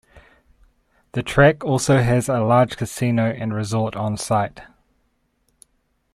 The track also has a large casino and resort on site.